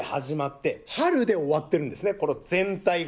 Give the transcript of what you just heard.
これこの全体が。